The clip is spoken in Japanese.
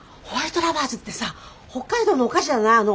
ホワイトラバーズってさ北海道のお菓子じゃない？